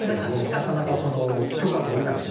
なかなか許可が下りなくて。